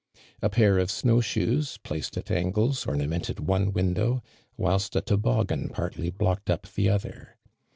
A pair of snowshoes, placed at angles, orna mented one window, whilst a toboggin partly blocked up the other.